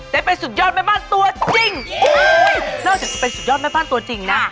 ท็อปสรรณีนุปสุธนาวินค่ะ